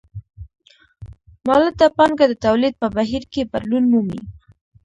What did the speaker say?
مولده پانګه د تولید په بهیر کې بدلون مومي